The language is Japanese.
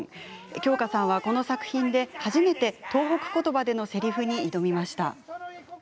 京香さんはこの作品で初めて東北ことばでのせりふに挑みました。